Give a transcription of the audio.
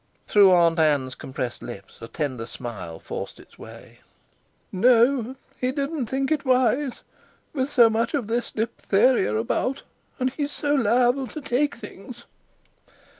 Through Aunt Ann's compressed lips a tender smile forced its way: "No, he didn't think it wise, with so much of this diphtheria about; and he so liable to take things."